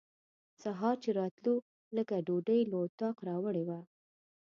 سهار چې راتلو لږه ډوډۍ له اطاقه راوړې وه.